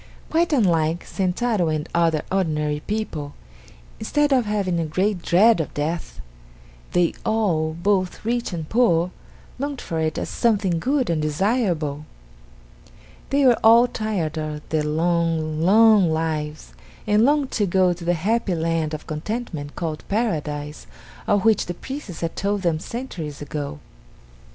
Quite unlike Sentaro and other ordinary people, instead of having a great dread of death, they all, both rich and poor, longed for it as something good and desirable. They were all tired of their long, long lives, and longed to go to the happy land of contentment called Paradise of which the priests had told them centuries ago.